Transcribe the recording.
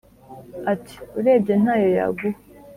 ati”urebye ntayo yaguha